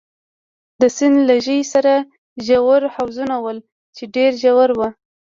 د سیند له ژۍ سره ژور حوضونه ول، چې ډېر ژور وو.